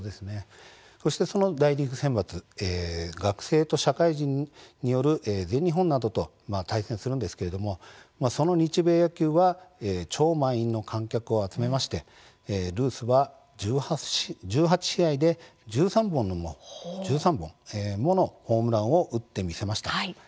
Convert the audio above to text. そしてその大リーグ選抜学生と社会人による全日本などと対戦するんですがその日米野球は超満員の観客を集めルースは１８試合で１３本ものホームランを打ってみせました。